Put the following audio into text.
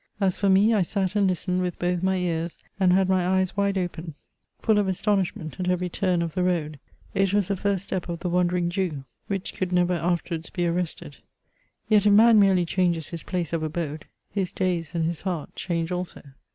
As for me, I sat and listened with both my ears, and had my eyes wide open, full of astonishment at every turn of the road. It was the first step of the Wandering Jew, which could never afterwards be VOL. I. 6 82 MEMOIRS OF N arrested. Yet, if man merely changes his place of ahode, his days and his heart change also.